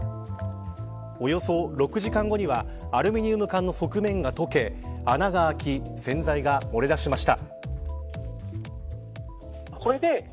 およそ６時間後にはアルミニウム缶の側面が溶け穴が開き洗剤が漏れ出しました。